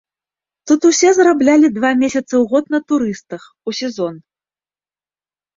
Тут усе зараблялі два месяцы ў год на турыстах, у сезон.